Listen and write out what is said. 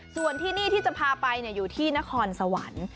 ส่วนที่นี่ที่จะพาไปอยู่ที่นครสวรรค์